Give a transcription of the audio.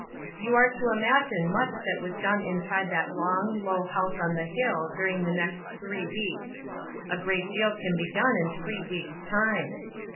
OU are to imagine much that was done inside that long, low house on the hill during the next three weeks. A great deal can be done in thi ee weeks' time.